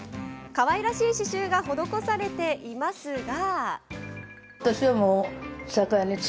かわいらしい刺しゅうが施されていますが。